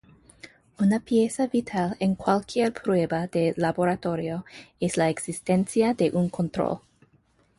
Una pieza vital en cualquier prueba de laboratorio es la existencia de un control.